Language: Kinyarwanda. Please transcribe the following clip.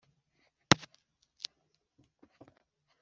hakorwe iperereza ku bikorwa byo kohereza